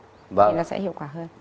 thì nó sẽ hiệu quả hơn